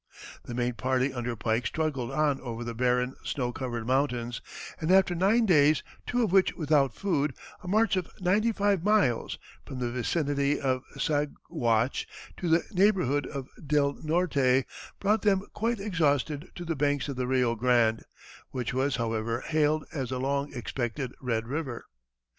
The main party under Pike struggled on over the barren, snow covered mountains, and after nine days, two of which without food, a march of ninety five miles (from the vicinity of Saguache to the neighborhood of Del Norte) brought them quite exhausted to the banks of the Rio Grande, which was, however, hailed as the long expected Red River.